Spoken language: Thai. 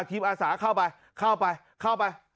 ทีมอาสาเข้าไปเข้าไปเข้าไป